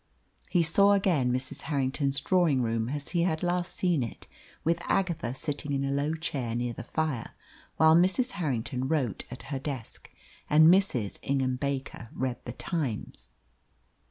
He saw again Mrs. Harrington's drawing room as he had last seen it, with Agatha sitting in a low chair near the fire, while Mrs. Harrington wrote at her desk, and Mrs. Ingham Baker read the Times.